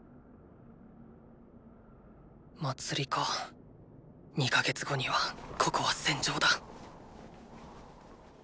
祭りか２か月後にはここは戦場だ！